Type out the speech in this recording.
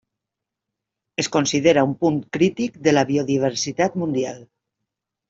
Es considera un punt crític de la biodiversitat mundial.